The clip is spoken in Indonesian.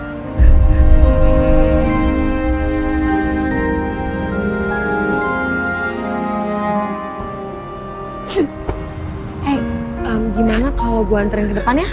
hey gimana kalo gue anterin ke depan ya